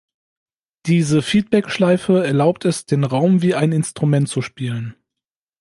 Diese Feedback-Schleife erlaubt es, den Raum wie ein Instrument zu spielen.